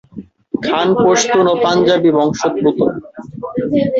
খান পশতুন ও পাঞ্জাবি বংশোদ্ভূত।